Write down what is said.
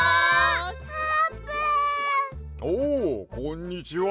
おうこんにちは。